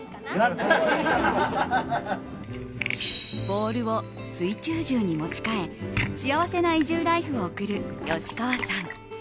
ボールを水中銃に持ち替え幸せな移住ライフを送る吉川さん。